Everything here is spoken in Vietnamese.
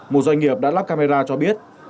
một doanh nghiệp đã lắp camera cho biết